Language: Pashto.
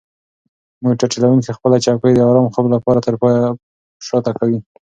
موټر چلونکی خپله چوکۍ د ارام خوب لپاره تر پایه شاته کوي.